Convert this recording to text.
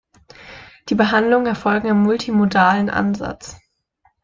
Die Behandlungen erfolgen im multimodalen Ansatz.